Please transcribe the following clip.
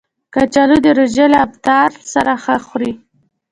کچالو د روژې له افطار سره ښه خوري